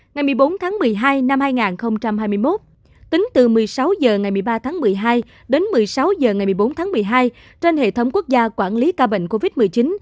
ngày một mươi bốn tháng một mươi hai năm hai nghìn hai mươi một tính từ một mươi sáu h ngày một mươi ba tháng một mươi hai đến một mươi sáu h ngày một mươi bốn tháng một mươi hai trên hệ thống quốc gia quản lý ca bệnh covid một mươi chín